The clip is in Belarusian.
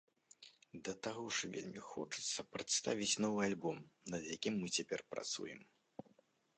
Да таго ж, вельмі хочацца прадставіць новы альбом, над якім мы цяпер працуем.